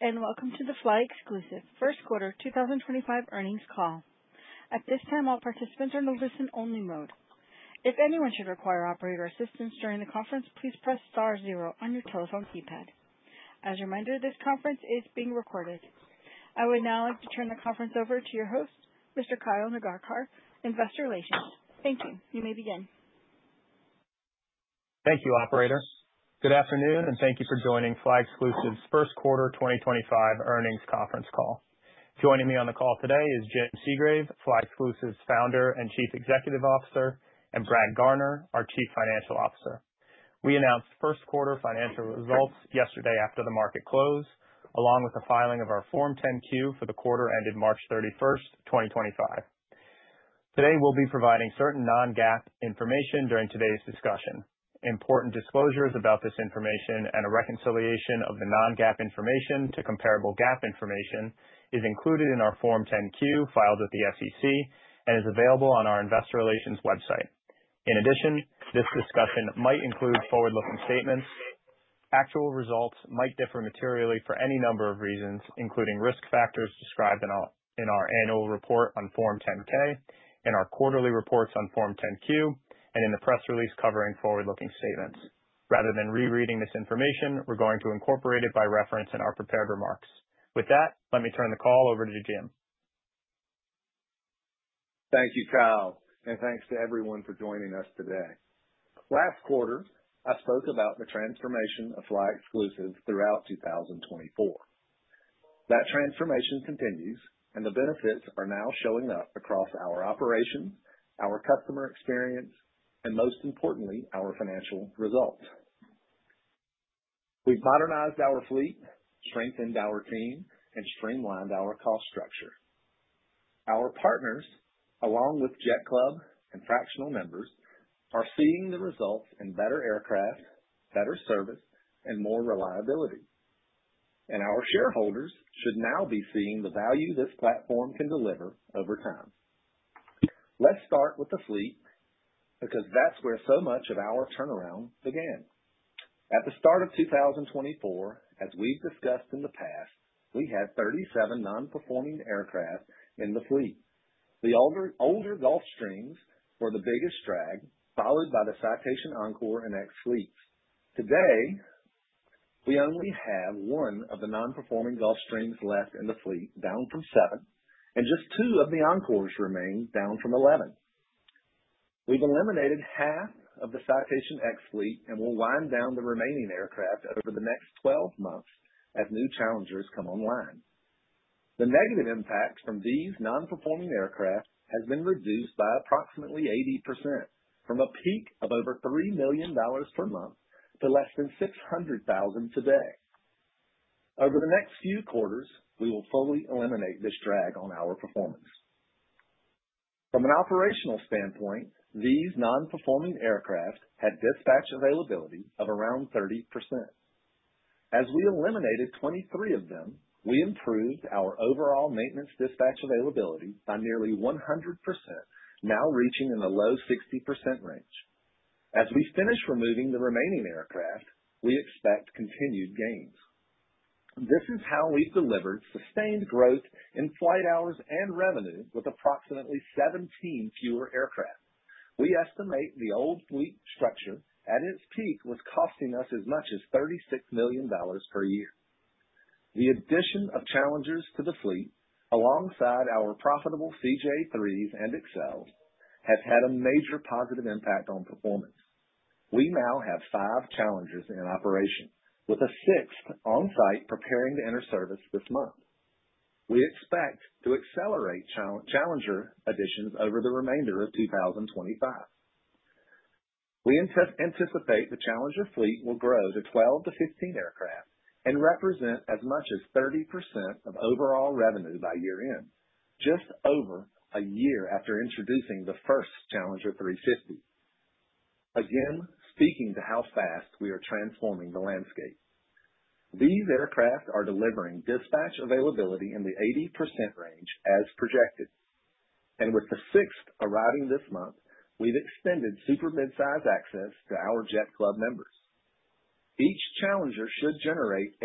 Greetings and welcome to the flyExclusive Q1 2025 earnings call. At this time, all participants are in a listen-only mode. If anyone should require operator assistance during the conference, please press star zero on your telephone keypad. As a reminder, this conference is being recorded. I would now like to turn the conference over to your host, Mr. Kyle Nagarkar, Investor Relations. Thank you. You may begin. Thank you, Operator. Good afternoon, and thank you for joining flyExclusive's first quarter 2025 earnings conference call. Joining me on the call today is Jim Segrave, flyExclusive's founder and Chief Executive Officer, and Brad Garner, our Chief Financial Officer. We announced Q1 financial results yesterday after the market close, along with the filing of our Form 10-Q for the quarter ended March 31st, 2025. Today, we'll be providing certain non-GAAP information during today's discussion. Important disclosures about this information and a reconciliation of the non-GAAP information to comparable GAAP information is included in our Form 10-Q filed with the SEC and is available on our Investor Relations website. In addition, this discussion might include forward-looking statements. Actual results might differ materially for any number of reasons, including risk factors described in our annual report on Form 10-K, in our quarterly reports on Form 10-Q, and in the press release covering forward-looking statements. Rather than rereading this information, we're going to incorporate it by reference in our prepared remarks. With that, let me turn the call over to Jim. Thank you, Kyle, and thanks to everyone for joining us today. Last quarter, I spoke about the transformation of flyExclusive throughout 2024. That transformation continues, and the benefits are now showing up across our operations, our customer experience, and most importantly, our financial results. We've modernized our fleet, strengthened our team, and streamlined our cost structure. Our partners, along with Jet Club and fractional members, are seeing the results in better aircraft, better service, and more reliability. And our shareholders should now be seeing the value this platform can deliver over time. Let's start with the fleet because that's where so much of our turnaround began. At the start of 2024, as we've discussed in the past, we had 37 non-performing aircraft in the fleet. The older Gulfstreams were the biggest drag, followed by the Citation Encore and X fleets. Today, we only have one of the non-performing Gulfstreams left in the fleet, down from seven, and just two of the Encores remain down from 11. We've eliminated half of the Citation X fleet and will wind down the remaining aircraft over the next 12 months as new Challengers come online. The negative impact from these non-performing aircraft has been reduced by approximately 80% from a peak of over $3 million per month to less than $600,000 today. Over the next few quarters, we will fully eliminate this drag on our performance. From an operational standpoint, these non-performing aircraft had dispatch availability of around 30%. As we eliminated 23 of them, we improved our overall maintenance dispatch availability by nearly 100%, now reaching in the low 60% range. As we finish removing the remaining aircraft, we expect continued gains. This is how we've delivered sustained growth in flight hours and revenue with approximately 17 fewer aircraft. We estimate the old fleet structure at its peak was costing us as much as $36 million per year. The addition of Challengers to the fleet, alongside our profitable CJ3s and XLS, has had a major positive impact on performance. We now have five Challengers in operation, with a sixth on site preparing to enter service this month. We expect to accelerate Challenger additions over the remainder of 2025. We anticipate the Challenger fleet will grow to 12 to 15 aircraft and represent as much as 30% of overall revenue by year-end, just over a year after introducing the first Challenger 350. Again, speaking to how fast we are transforming the landscape, these aircraft are delivering dispatch availability in the 80% range as projected. And with the sixth arriving this month, we've extended super-midsize access to our Jet Club members. Each Challenger should generate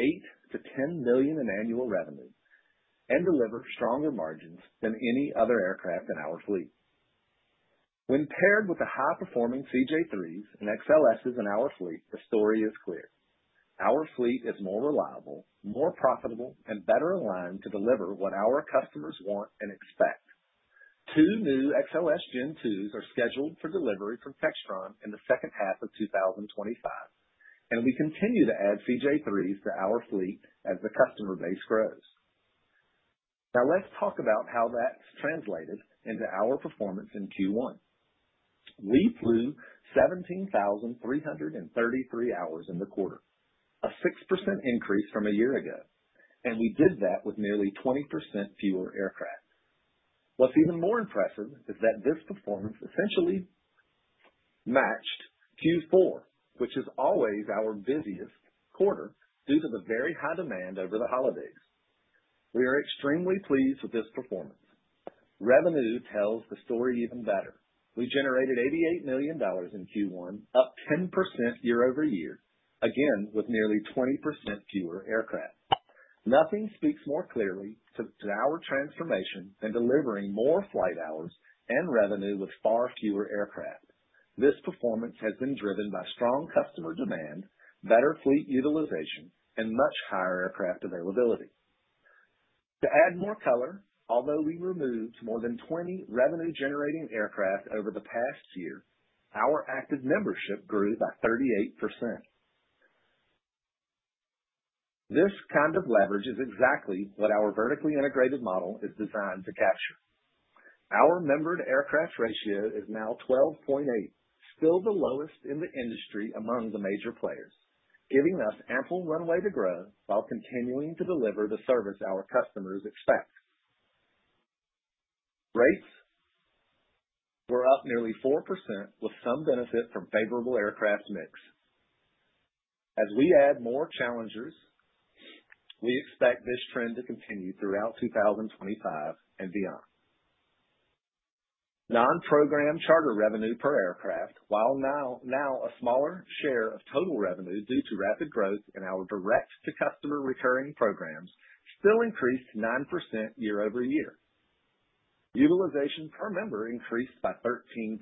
$8-$10 million in annual revenue and deliver stronger margins than any other aircraft in our fleet. When paired with the high-performing CJ3s and XLSs in our fleet, the story is clear. Our fleet is more reliable, more profitable, and better aligned to deliver what our customers want and expect. Two new XLS Gen 2s are scheduled for delivery from Textron in the second half of 2025, and we continue to add CJ3s to our fleet as the customer base grows. Now, let's talk about how that's translated into our performance in Q1. We flew 17,333 hours in the quarter, a 6% increase from a year ago, and we did that with nearly 20% fewer aircraft. What's even more impressive is that this performance essentially matched Q4, which is always our busiest quarter due to the very high demand over the holidays. We are extremely pleased with this performance. Revenue tells the story even better. We generated $88 million in Q1, up 10% year-over-year, again with nearly 20% fewer aircraft. Nothing speaks more clearly to our transformation than delivering more flight hours and revenue with far fewer aircraft. This performance has been driven by strong customer demand, better fleet utilization, and much higher aircraft availability. To add more color, although we removed more than 20 revenue-generating aircraft over the past year, our active membership grew by 38%. This kind of leverage is exactly what our vertically integrated model is designed to capture. Our member-to-aircraft ratio is now 12.8, still the lowest in the industry among the major players, giving us ample runway to grow while continuing to deliver the service our customers expect. Rates were up nearly 4% with some benefit from favorable aircraft mix. As we add more Challengers, we expect this trend to continue throughout 2025 and beyond. Non-program charter revenue per aircraft, while now a smaller share of total revenue due to rapid growth in our direct-to-customer recurring programs, still increased 9% year-over-year. Utilization per member increased by 13%.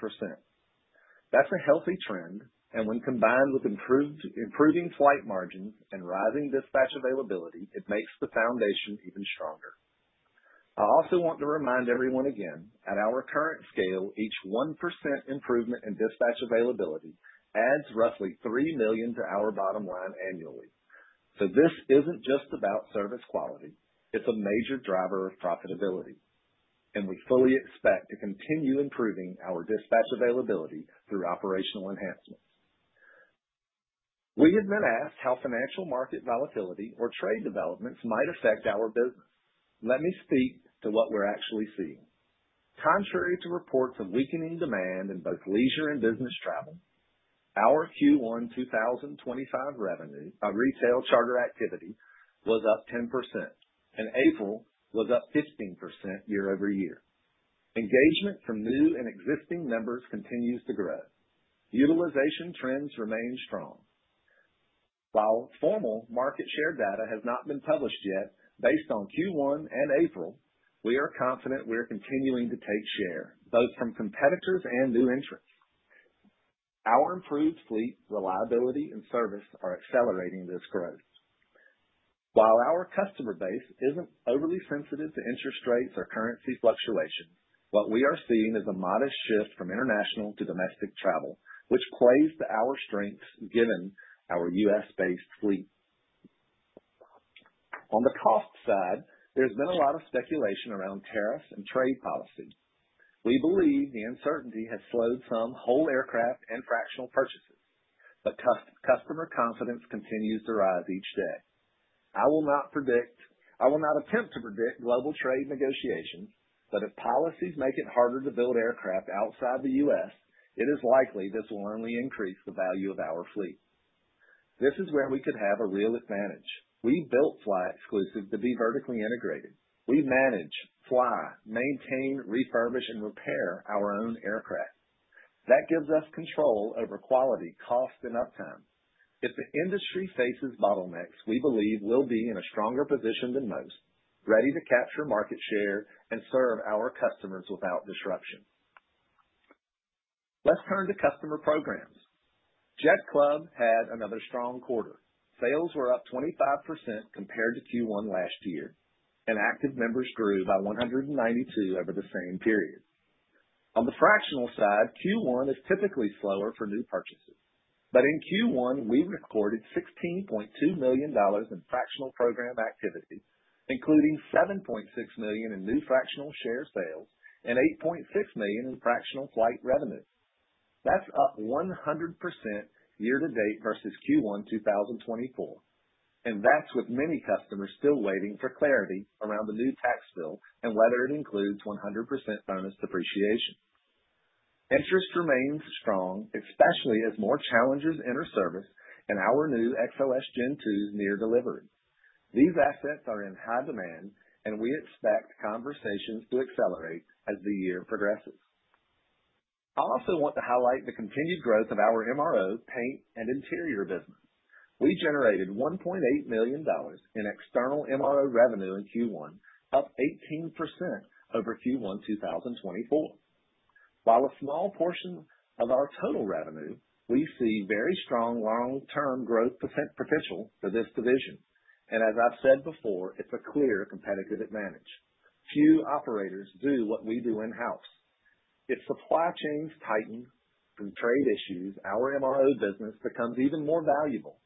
That's a healthy trend, and when combined with improving flight margins and rising dispatch availability, it makes the foundation even stronger. I also want to remind everyone again, at our current scale, each 1% improvement in dispatch availability adds roughly $3 million to our bottom line annually. So this isn't just about service quality. It's a major driver of profitability, and we fully expect to continue improving our dispatch availability through operational enhancements. We have been asked how financial market volatility or trade developments might affect our business. Let me speak to what we're actually seeing. Contrary to reports of weakening demand in both leisure and business travel, our Q1 2025 revenue by retail charter activity was up 10%, and April was up 15% year-over-year. Engagement from new and existing members continues to grow. Utilization trends remain strong. While formal market share data has not been published yet, based on Q1 and April, we are confident we're continuing to take share, both from competitors and new entrants. Our improved fleet, reliability, and service are accelerating this growth. While our customer base isn't overly sensitive to interest rates or currency fluctuations, what we are seeing is a modest shift from international to domestic travel, which plays to our strengths given our U.S.-based fleet. On the cost side, there's been a lot of speculation around tariffs and trade policy. We believe the uncertainty has slowed some whole aircraft and fractional purchases, but customer confidence continues to rise each day. I will not attempt to predict global trade negotiations, but if policies make it harder to build aircraft outside the U.S., it is likely this will only increase the value of our fleet. This is where we could have a real advantage. We built flyExclusive to be vertically integrated. We manage, fly, maintain, refurbish, and repair our own aircraft. That gives us control over quality, cost, and uptime. If the industry faces bottlenecks, we believe we'll be in a stronger position than most, ready to capture market share and serve our customers without disruption. Let's turn to customer programs. Jet Club had another strong quarter. Sales were up 25% compared to Q1 last year, and active members grew by 192 over the same period. On the fractional side, Q1 is typically slower for new purchases, but in Q1, we recorded $16.2 million in fractional program activity, including $7.6 million in new fractional share sales and $8.6 million in fractional flight revenue. That's up 100% year-to-date versus Q1 2024, and that's with many customers still waiting for clarity around the new tax bill and whether it includes 100% bonus depreciation. Interest remains strong, especially as more challengers enter service and our new XLS Gen 2s near delivery. These assets are in high demand, and we expect conversations to accelerate as the year progresses. I also want to highlight the continued growth of our MRO, paint, and interior business. We generated $1.8 million in external MRO revenue in Q1, up 18% over Q1 2024. While a small portion of our total revenue, we see very strong long-term growth potential for this division, and as I've said before, it's a clear competitive advantage. Few operators do what we do in-house. If supply chains tighten through trade issues, our MRO business becomes even more valuable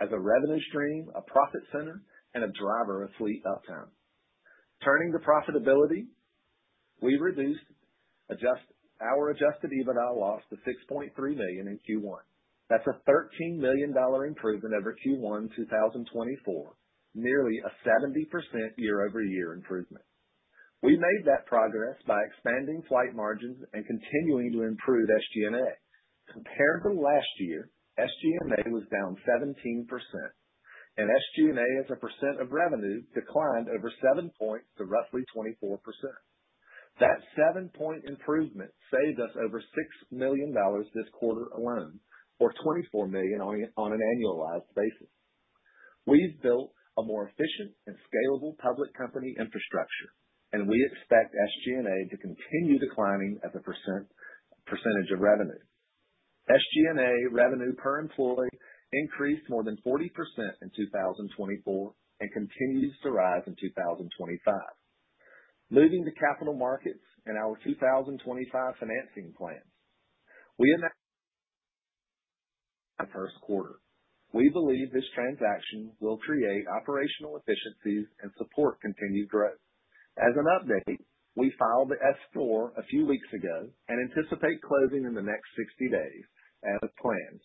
as a revenue stream, a profit center, and a driver of fleet uptime. Turning to profitability, we reduced our Adjusted EBITDA loss to $6.3 million in Q1. That's a $13 million improvement over Q1 2024, nearly a 70% year-over-year improvement. We made that progress by expanding flight margins and continuing to improve SG&A. Compared to last year, SG&A was down 17%, and SG&A as a percent of revenue declined over 7 points to roughly 24%. That 7-point improvement saved us over $6 million this quarter alone, or $24 million on an annualized basis. We've built a more efficient and scalable public company infrastructure, and we expect SG&A to continue declining as a percentage of revenue. SG&A revenue per employee increased more than 40% in 2024 and continues to rise in 2025. Moving to capital markets and our 2025 financing plans, we announced the first quarter. We believe this transaction will create operational efficiencies and support continued growth. As an update, we filed the S-4 a few weeks ago and anticipate closing in the next 60 days as planned.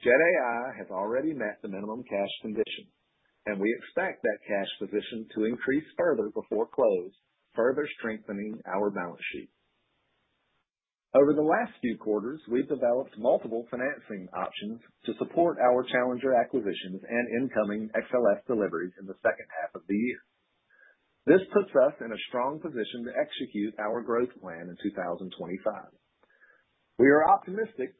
Jet.AI has already met the minimum cash condition, and we expect that cash position to increase further before close, further strengthening our balance sheet. Over the last few quarters, we've developed multiple financing options to support our Challenger acquisitions and incoming XLS deliveries in the second half of the year. This puts us in a strong position to execute our growth plan in 2025. We are optimistic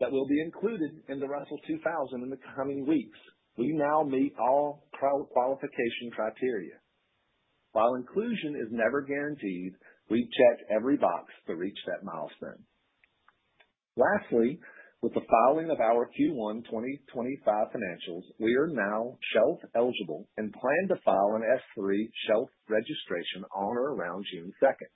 that we'll be included in the Russell 2000 in the coming weeks. We now meet all qualification criteria. While inclusion is never guaranteed, we've checked every box to reach that milestone. Lastly, with the filing of our Q1 2025 financials, we are now shelf-eligible and plan to file an S-3 shelf registration on or around June 2nd.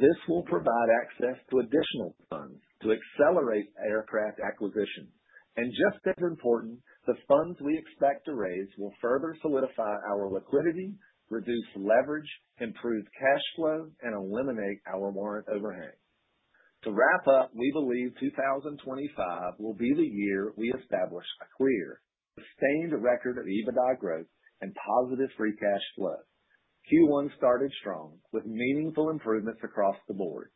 This will provide access to additional funds to accelerate aircraft acquisitions, and just as important, the funds we expect to raise will further solidify our liquidity, reduce leverage, improve cash flow, and eliminate our warrant overhang. To wrap up, we believe 2025 will be the year we establish a clear, sustained record of EBITDA growth and positive free cash flow. Q1 started strong with meaningful improvements across the board.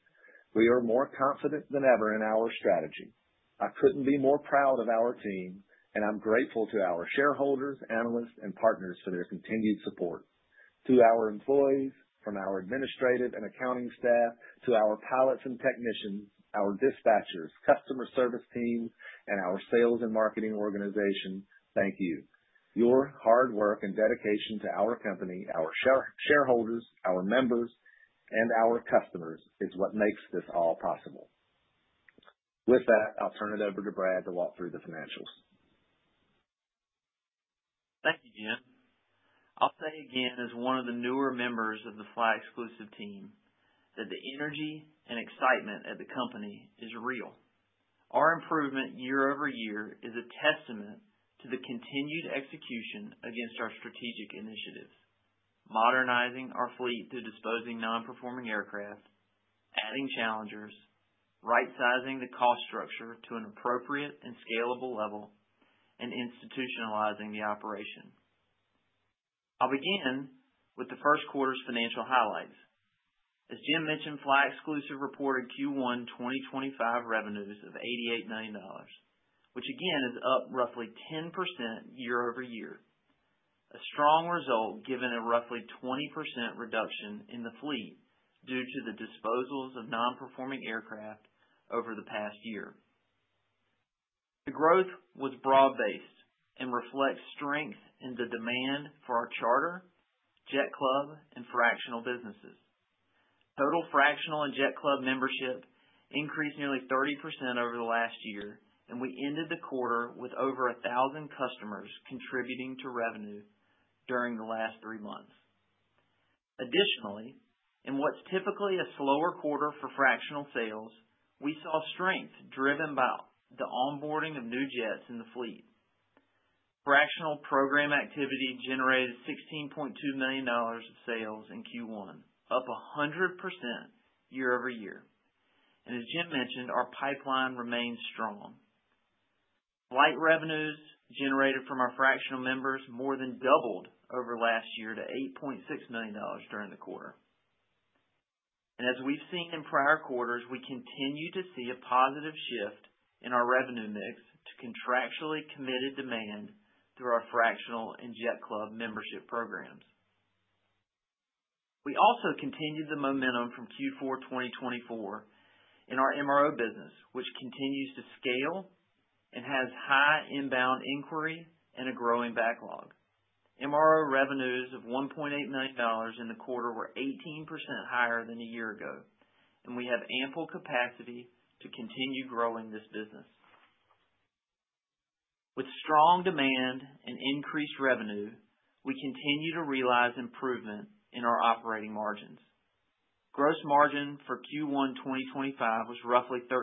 We are more confident than ever in our strategy. I couldn't be more proud of our team, and I'm grateful to our shareholders, analysts, and partners for their continued support. To our employees, from our administrative and accounting staff to our pilots and technicians, our dispatchers, customer service teams, and our sales and marketing organization, thank you. Your hard work and dedication to our company, our shareholders, our members, and our customers is what makes this all possible. With that, I'll turn it over to Brad to walk through the financials. Thank you, Jim. I'll say again, as one of the newer members of the flyExclusive team, that the energy and excitement at the company is real. Our improvement year-over-year is a testament to the continued execution against our strategic initiatives: modernizing our fleet to disposing non-performing aircraft, adding Challengers, right-sizing the cost structure to an appropriate and scalable level, and institutionalizing the operation. I'll begin with the first quarter's financial highlights. As Jim mentioned, flyExclusive reported Q1 2025 revenues of $88 million, which again is up roughly 10% year-over-year, a strong result given a roughly 20% reduction in the fleet due to the disposals of non-performing aircraft over the past year. The growth was broad-based and reflects strength in the demand for our charter, Jet Club, and fractional businesses. Total fractional and Jet Club membership increased nearly 30% over the last year, and we ended the quarter with over 1,000 customers contributing to revenue during the last three months. Additionally, in what's typically a slower quarter for fractional sales, we saw strength driven by the onboarding of new jets in the fleet. Fractional program activity generated $16.2 million of sales in Q1, up 100% year-over-year. And as Jim mentioned, our pipeline remains strong. Flight revenues generated from our fractional members more than doubled over last year to $8.6 million during the quarter. And as we've seen in prior quarters, we continue to see a positive shift in our revenue mix to contractually committed demand through our fractional and Jet Club membership programs. We also continued the momentum from Q4 2024 in our MRO business, which continues to scale and has high inbound inquiry and a growing backlog. MRO revenues of $1.8 million in the quarter were 18% higher than a year ago, and we have ample capacity to continue growing this business. With strong demand and increased revenue, we continue to realize improvement in our operating margins. Gross margin for Q1 2025 was roughly 13%,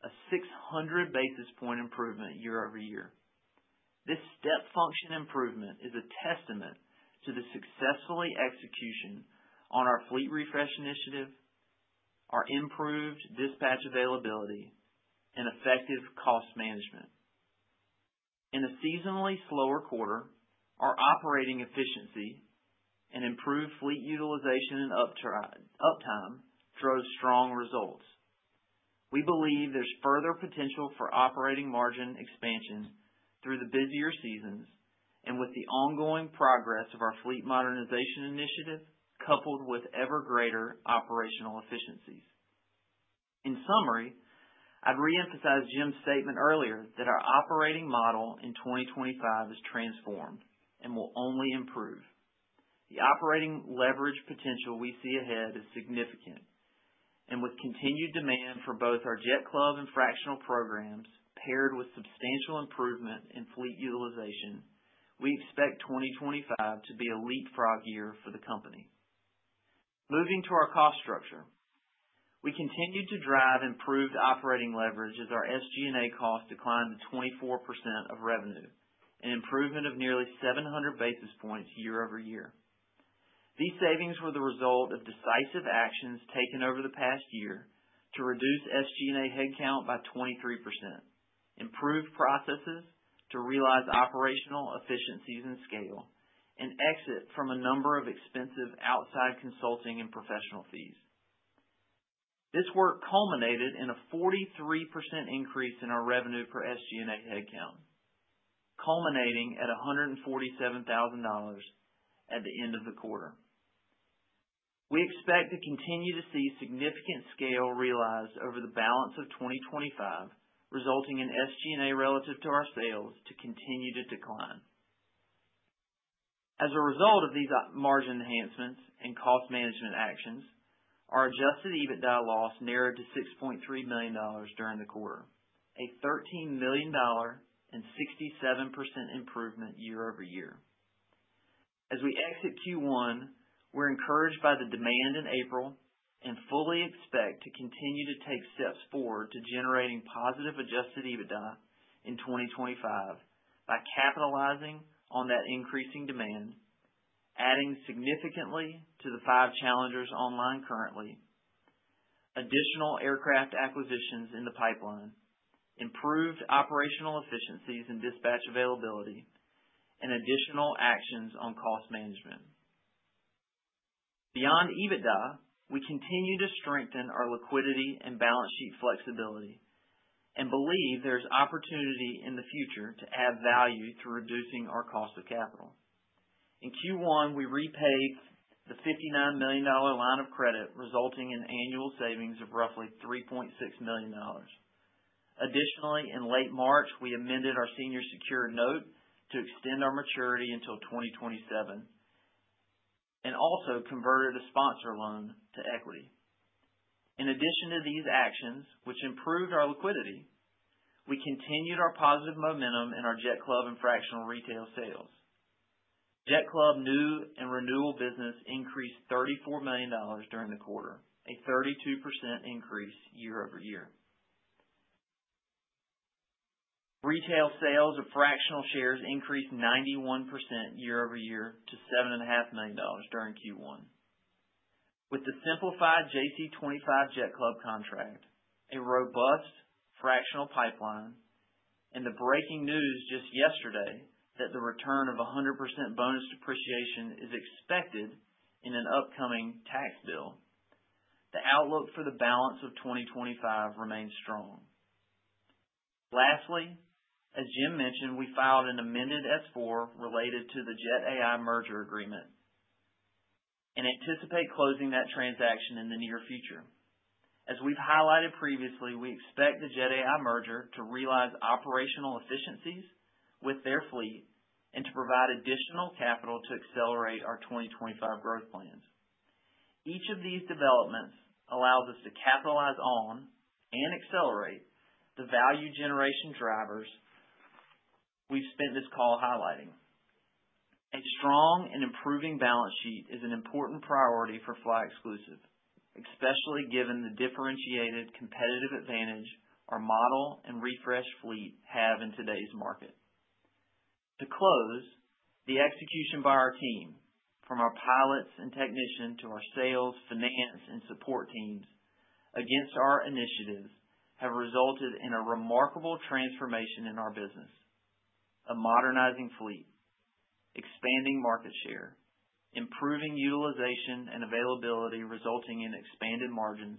a 600 basis points improvement year-over-year. This step function improvement is a testament to the successful execution on our fleet refresh initiative, our improved dispatch availability, and effective cost management. In a seasonally slower quarter, our operating efficiency and improved fleet utilization and uptime drove strong results. We believe there's further potential for operating margin expansion through the busier seasons and with the ongoing progress of our fleet modernization initiative coupled with ever greater operational efficiencies. In summary, I'd reemphasize Jim's statement earlier that our operating model in 2025 is transformed and will only improve. The operating leverage potential we see ahead is significant, and with continued demand for both our Jet Club and fractional programs paired with substantial improvement in fleet utilization, we expect 2025 to be a leapfrog year for the company. Moving to our cost structure, we continued to drive improved operating leverage as our SG&A cost declined to 24% of revenue, an improvement of nearly 700 basis points year-over-year. These savings were the result of decisive actions taken over the past year to reduce SG&A headcount by 23%, improve processes to realize operational efficiencies and scale, and exit from a number of expensive outside consulting and professional fees. This work culminated in a 43% increase in our revenue per SG&A headcount, culminating at $147,000 at the end of the quarter. We expect to continue to see significant scale realized over the balance of 2025, resulting in SG&A relative to our sales to continue to decline. As a result of these margin enhancements and cost management actions, our Adjusted EBITDA loss narrowed to $6.3 million during the quarter, a $13 million and 67% improvement year-over-year. As we exit Q1, we're encouraged by the demand in April and fully expect to continue to take steps forward to generating positive Adjusted EBITDA in 2025 by capitalizing on that increasing demand, adding significantly to the five Challengers online currently, additional aircraft acquisitions in the pipeline, improved operational efficiencies and dispatch availability, and additional actions on cost management. Beyond EBITDA, we continue to strengthen our liquidity and balance sheet flexibility and believe there's opportunity in the future to add value through reducing our cost of capital. In Q1, we repaid the $59 million line of credit, resulting in annual savings of roughly $3.6 million. Additionally, in late March, we amended our senior secure note to extend our maturity until 2027 and also converted a sponsor loan to equity. In addition to these actions, which improved our liquidity, we continued our positive momentum in our Jet Club and fractional retail sales. Jet Club new and renewal business increased $34 million during the quarter, a 32% increase year-over-year. Retail sales of fractional shares increased 91% year-over-year to $7.5 million during Q1. With the simplified JC25 Jet Club contract, a robust fractional pipeline, and the breaking news just yesterday that the return of 100% bonus depreciation is expected in an upcoming tax bill, the outlook for the balance of 2025 remains strong. Lastly, as Jim mentioned, we filed an amended S-4 related to the Jet.AI merger agreement and anticipate closing that transaction in the near future. As we've highlighted previously, we expect the Jet.AI merger to realize operational efficiencies with their fleet and to provide additional capital to accelerate our 2025 growth plans. Each of these developments allows us to capitalize on and accelerate the value generation drivers we've spent this call highlighting. A strong and improving balance sheet is an important priority for flyExclusive, especially given the differentiated competitive advantage our model and refresh fleet have in today's market. To close, the execution by our team, from our pilots and technician to our sales, finance, and support teams against our initiatives, has resulted in a remarkable transformation in our business: a modernizing fleet, expanding market share, improving utilization and availability, resulting in expanded margins,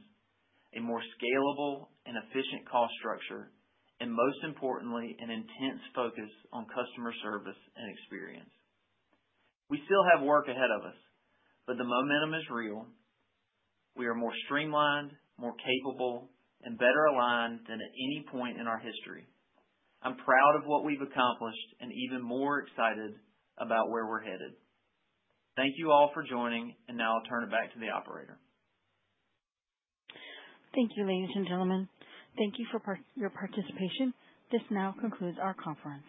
a more scalable and efficient cost structure, and most importantly, an intense focus on customer service and experience. We still have work ahead of us, but the momentum is real. We are more streamlined, more capable, and better aligned than at any point in our history. I'm proud of what we've accomplished and even more excited about where we're headed. Thank you all for joining, and now I'll turn it back to the operator. Thank you, ladies and gentlemen. Thank you for your participation. This now concludes our conference.